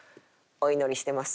お祈りしてます。